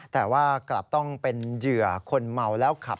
แต่ว่ากลับต้องเป็นเหยื่อคนเมาแล้วขับ